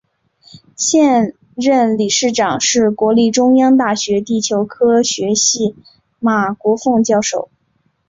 现任理事长是国立中央大学地球科学系马国凤教授。